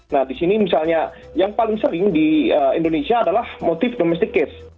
nah di sini misalnya yang paling sering di indonesia adalah motif domestic case